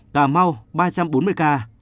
cà mau ba trăm bốn mươi ca